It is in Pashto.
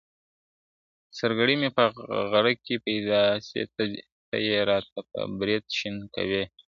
¬سرگړي مي په غره کي بد ايسي، ته ئې راته په برېت شين کوې.